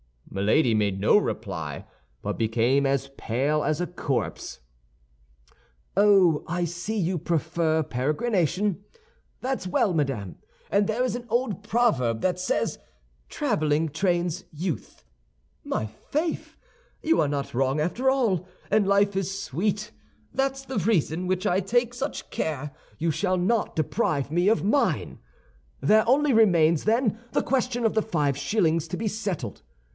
Milady made no reply, but became as pale as a corpse. "Oh, I see you prefer peregrination. That's well madame; and there is an old proverb that says, 'Traveling trains youth.' My faith! you are not wrong after all, and life is sweet. That's the reason why I take such care you shall not deprive me of mine. There only remains, then, the question of the five shillings to be settled.